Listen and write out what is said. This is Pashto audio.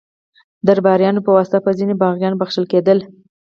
د درباریانو په واسطه به ځینې باغیان بخښل کېدل.